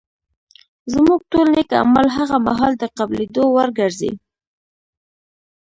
زموږ ټول نېک اعمال هغه مهال د قبلېدو وړ ګرځي